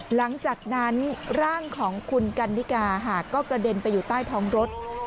หลังจากนั้นร่างของคุณกันนิกาก็กระเด็นไปอยู่ใต้ท้องรถ